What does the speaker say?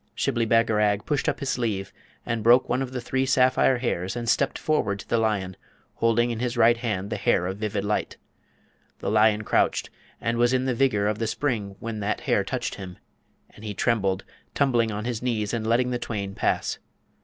Shibli Bagarag pushed up his sleeve and broke one of the three sapphire hairs and stepped forward to the lion, holding in his right hand the hair of vivid light. The lion crouched, and was in the vigour of the spring when that hair touched him, and he trembled, tumbling on his knees and letting the twain pass.